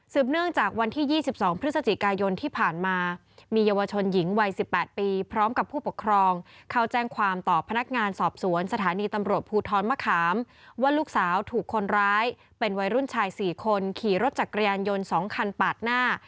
เนื่องจากวันที่๒๒พฤศจิกายนที่ผ่านมามีเยาวชนหญิงวัย๑๘ปีพร้อมกับผู้ปกครองเข้าแจ้งความต่อพนักงานสอบสวนสถานีตำรวจภูทรมะขามว่าลูกสาวถูกคนร้ายเป็นวัยรุ่นชาย๔คนขี่รถจักรยานยนต์๒คันปาดหน้า